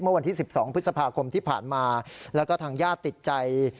วันที่๑๒พฤษภาคมที่ผ่านมาแล้วก็ทางญาติติดใจ